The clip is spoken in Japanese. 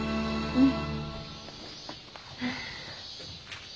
うん。